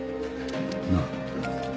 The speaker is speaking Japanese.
なあ。